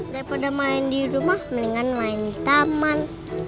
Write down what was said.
daripada main di rumah mendingan main taman